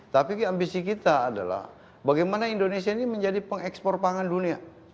tapi ambisi kita adalah bagaimana indonesia ini menjadi pengekspor pangan dunia